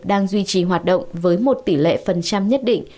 đang duy trì hoạt động với một tỷ lệ phần trăm nhất định